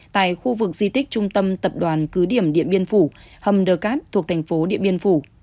tại khu vực di tích trung tâm tập đoàn cứ điểm điện biên phủ hầm đờ cát thuộc thành phố điện biên phủ